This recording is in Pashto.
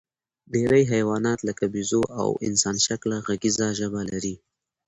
ډېری حیوانات، لکه بیزو او انسانشکله غږیزه ژبه لري.